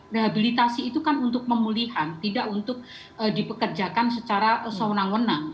rehabilitasi itu kan untuk pemulihan tidak untuk dipekerjakan secara sewenang wenang